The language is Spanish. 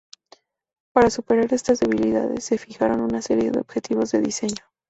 Para superar estas debilidades se fijaron una serie de objetivos de diseño.